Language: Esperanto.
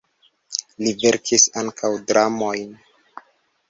Li verkis ankaŭ dramojn.